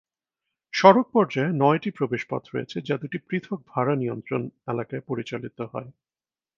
সড়ক পর্যায়ে নয়টি প্রবেশপথ রয়েছে, যা দুটি পৃথক ভাড়া নিয়ন্ত্রণ এলাকায় পরিচালিত হয়।